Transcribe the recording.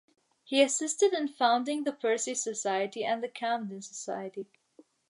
He assisted in founding the Percy Society and the Camden Society.